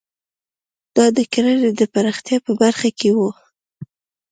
دا د کرنې د پراختیا په برخه کې وو.